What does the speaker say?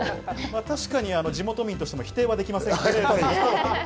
確かに地元民としては否定できませんけど。